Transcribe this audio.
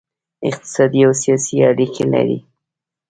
اقتصادي او سیاسي اړیکې لري